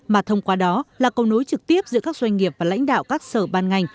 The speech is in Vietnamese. mà thông qua đó là câu nối trực tiếp giữa các doanh nghiệp và lãnh đạo các sở ban ngành